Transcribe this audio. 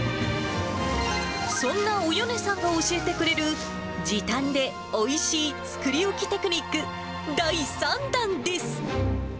そんなおよねさんが教えてくれる、時短でおいしい作り置きテクニック第３弾です。